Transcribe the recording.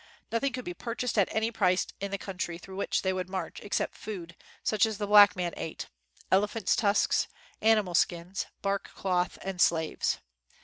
Noth ing could be purchased at any price in the country through which they would march except food such as the black men ate, elephants' tusks, animal skins, bark cloth, and slaves.